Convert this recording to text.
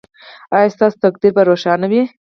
ایا ستاسو تقدیر به روښانه وي؟